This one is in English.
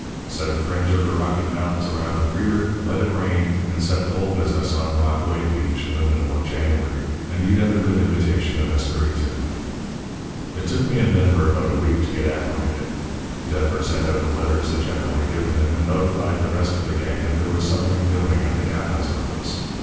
Set a fringe of the Rocky Mountains around the rear, let it rain, and set the whole business on Rockaway Beach in the middle of January and you'd have a good imitation of Espiritu. "It took me and Denver about a week to get acclimated. Denver sent out the letters the General had given him, and notified the rest of the gang that there was something doing at the captain's office.